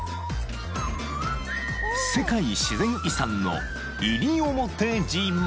［世界自然遺産の］